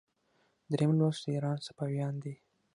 دریم لوست د ایران صفویان دي.